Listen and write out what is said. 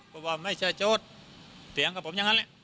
บอกว่าไม่ใช่โจ๊ดเสียงกับผมอย่างนั้น